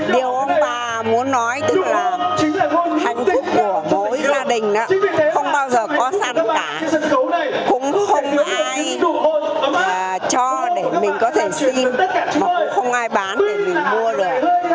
điều ông bà muốn nói tức là hạnh phúc của mỗi gia đình không bao giờ có sẵn cả cũng không ai cho để mình có thể xin mà cũng không ai bán để mình mua được